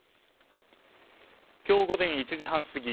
今日午前１時半過ぎ